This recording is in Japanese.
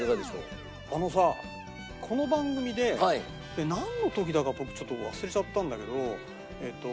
あのさこの番組でなんの時だか僕ちょっと忘れちゃったんだけどえっと